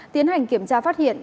tiến hành kiểm tra phát hiện